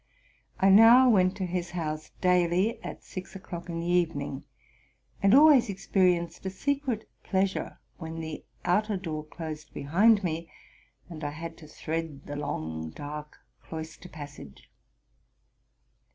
I now went to his house daily at six o'clock in the evening, and always experi enced a secret pleasure when the outer door closed behind me, and I had to thread the long, dark cloister passage.